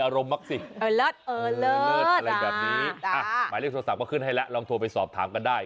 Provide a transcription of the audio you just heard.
อ่ะหมายเรียกโทรศัพท์ก็ขึ้นให้แล้วลองโทรไปสอบถามก็ได้